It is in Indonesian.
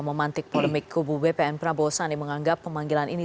memantik polemik kubu bpn prabowo sandi menganggap pemanggilan ini